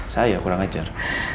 saya kurang ajar